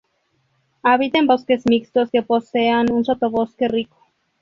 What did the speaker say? Habita en bosques mixtos que posean un sotobosque rico.